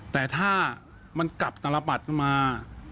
แต่ถ้ามันกับตระปรัดมา